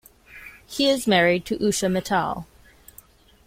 He is married to Usha Mittal.